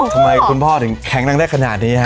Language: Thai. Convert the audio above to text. ทำไมคุณพ่อถึงแข็งนั่งได้ขนาดนี้ฮะ